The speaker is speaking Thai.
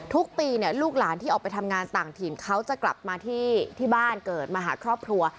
ทุกปีเนี่ยลูกหลานที่ออกไปทำงานต่างถิ่นเขาจะกลับมาที่บ้านเกิดมาหาครอบครัว